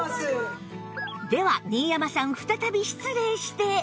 では新山さん再び失礼して